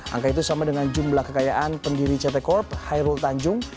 angka itu sama dengan jumlah kekayaan pendiri ct corp hairul tanjung